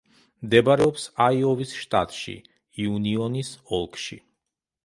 მდებარეობს აიოვის შტატში, იუნიონის ოლქში.